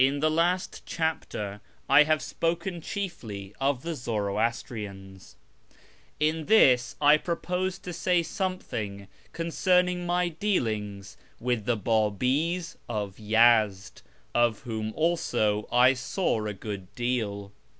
In the last chapter I have spoken chiefly of the Zoroastrians ; in this I propose to say something concerning my dealings with the Babis of Yezd, of whom also I saw a good deal.